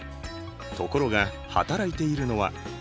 ところが働いているのは。